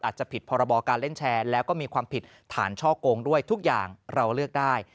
อาจจะผิดพรบการเล่นแชร์แล้วก็มีความผิดฐานช่อกงด้วยทุกอย่างเราเลือกได้